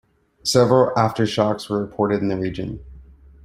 Several aftershocks were reported in the region.